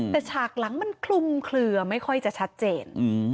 แต่ฉากหลังมันคลุมเคลือไม่ค่อยจะชัดเจน